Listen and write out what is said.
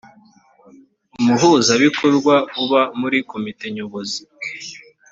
umuhuzabikorwa uba muri komite nyobozi